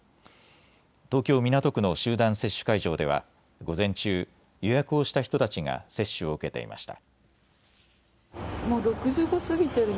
東京港区の集団接種会場では午前中、予約をした人たちが接種を受けていました。